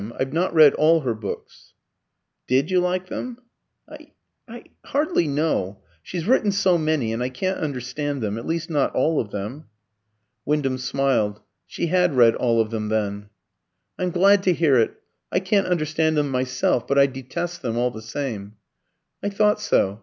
I've not read all her books." "Did you like them?" "I I hardly know. She's written so many, and I can't understand them at least not all of them." Wyndham smiled. She had read all of them, then. "I'm glad to hear it. I can't understand them myself; but I detest them, all the same." "I thought so.